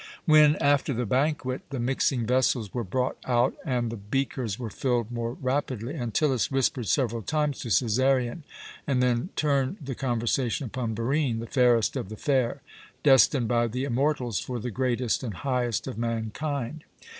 When, after the banquet, the mixing vessels were brought out and the beakers were filled more rapidly, Antyllus whispered several times to Cæsarion and then turned the conversation upon Barine, the fairest of the fair, destined by the immortals for the greatest and highest of mankind.